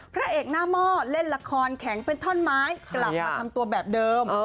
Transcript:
พระเอกหน้าหม้อเล่นละครแข็งเป็นท่อนไม้กลับมาทำตัวแบบเดิม